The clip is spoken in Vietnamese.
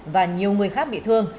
và nhiều người khác bị thương